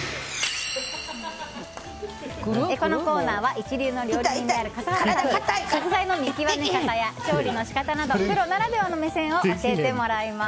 このコーナーは一流の料理人である笠原さんに食材の見極め方や調理の仕方などプロならではの目線を教えてもらいます。